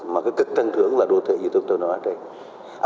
mà cực thân thưởng là đô thị như chúng tôi nói